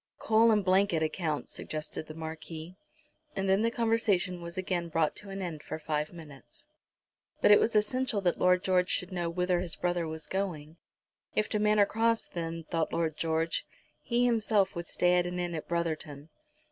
"Coal and blanket accounts!" suggested the Marquis. And then the conversation was again brought to an end for five minutes. But it was essential that Lord George should know whither his brother was going. If to Manor Cross, then, thought Lord George, he himself would stay at an inn at Brotherton.